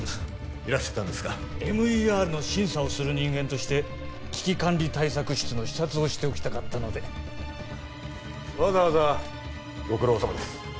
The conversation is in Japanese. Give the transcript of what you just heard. いらしてたんですかＭＥＲの審査をする人間として危機管理対策室の視察をしておきたかったのでわざわざご苦労さまです